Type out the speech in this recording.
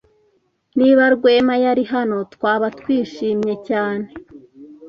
Niba Rwema yari hano, twaba twishimye cyane.